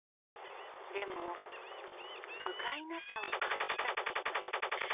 でもふがいなさを感じたといいます。